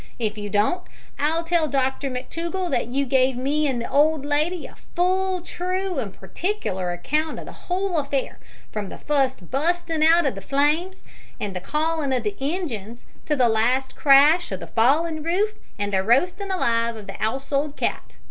If you don't, I'll tell Dr McTougall that you gave me an' the old lady a full, true, an' partikler account o' the whole affair, from the fust bustin' out o' the flames, an' the calling o' the ingines, to the last crash o' the fallin' roof, and the roastin' alive of the 'ousehold cat.